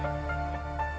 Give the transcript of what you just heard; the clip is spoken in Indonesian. jangan lupa untuk berlangganan